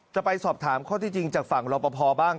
จะไปสอบถามข้อที่จริงจากฝั่งรอปภบ้าง